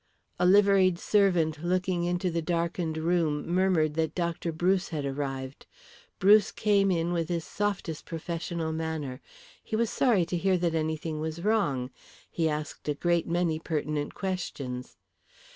A liveried servant looking into the darkened room murmured that Dr. Bruce had arrived. Bruce came in with his softest professional manner. He was sorry to hear that anything was wrong, he asked a great many pertinent questions.